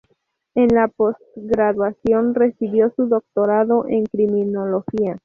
En la post-graduación recibió su doctorado en criminología.